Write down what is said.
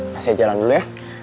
saya jalan dulu ya